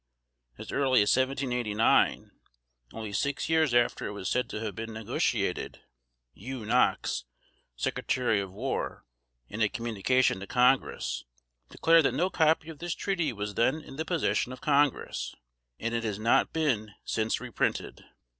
As early as 1789, only six years after it was said to have been negotiated, Hugh Knox, Secretary of War, in a communication to Congress, declared that no copy of this treaty was then in the possession of Congress; and it has not been since reprinted.